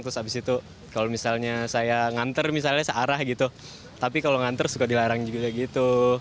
terus abis itu kalau misalnya saya nganter misalnya searah gitu tapi kalau nganter suka dilarang juga gitu